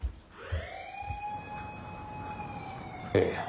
ええ。